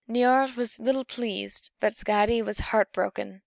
Niörd was little pleased; but Skadi was heart broken.